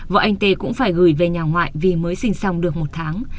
vợ anh tê cũng phải gửi về nhà ngoại vì mới sinh xong được một tháng